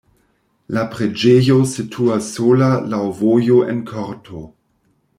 La preĝejo situas sola laŭ vojo en korto.